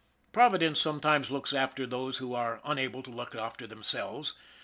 Providence sometimes looks after those who are un able to look after themselves.